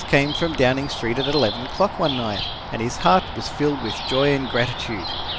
came from Downing Street at 11 o'clock one night, and his heart was filled with joy and gratitude.